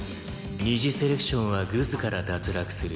「二次セレクションはグズから脱落する」